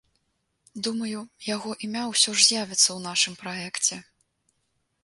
Думаю, яго імя ўсё ж з'явіцца ў нашым праекце.